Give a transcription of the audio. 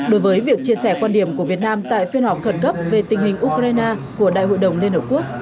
đối với việc chia sẻ quan điểm của việt nam tại phiên họp khẩn cấp về tình hình ukraine của đại hội đồng liên hợp quốc